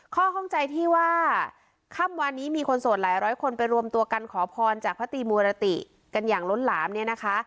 ข้อข้องใจที่ว่าค่ำวันนี้มีคนโสดหลายร้อยคนไปรวมตัวกันขอพรจากพระตีมูรติกันอย่างล้นหลามเนี่ยนะคะ